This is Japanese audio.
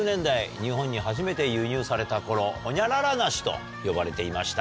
日本に初めて輸入された頃ホニャララ梨と呼ばれていました。